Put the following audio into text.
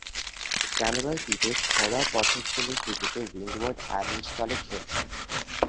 Kenroy Peters ঘরোয়া প্রথম-শ্রেণীর ক্রিকেটে উইন্ডওয়ার্ড আইল্যান্ডস দলে খেলছেন।